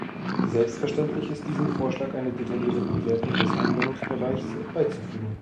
Selbstverständlich ist diesem Vorschlag eine detaillierte Bewertung des Anwendungsbereichs beizufügen.